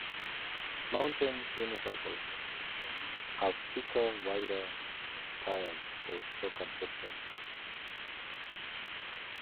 Mountain unicycles have thicker, wider tires for shock absorption.